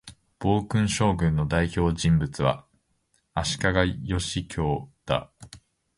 暴君将軍の代表人物は、足利義教だ